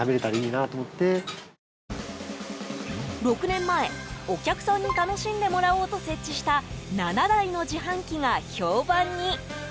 ６年前、お客さんに楽しんでもらおうと設置した７台の自販機が評判に。